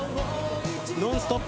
「ノンストップ！」